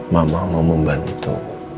mama mau membantu